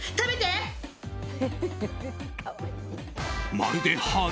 まるで羽？